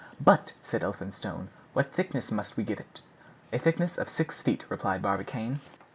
"But," said Elphinstone, "what thickness must we give it?" "A thickness of six feet," replied Barbicane.